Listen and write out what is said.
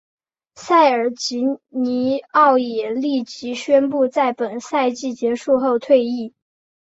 塞尔吉尼奥也立即宣布在本赛季结束后退役。